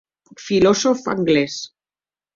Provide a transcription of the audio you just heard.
Filosòf anglés.